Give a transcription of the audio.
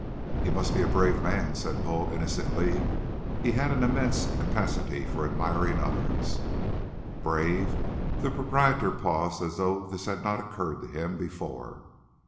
"He must be a brave man," said Bull innocently. He had an immense capacity for admiring others. "Brave?" The proprietor paused as though this had not occurred to him before.